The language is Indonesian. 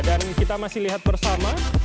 dan kita masih lihat bersama